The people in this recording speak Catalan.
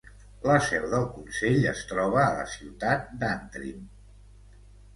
La seu del consell es troba a la ciutat d'Antrim.